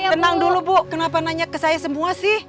tenang dulu bu kenapa nanya ke saya semua sih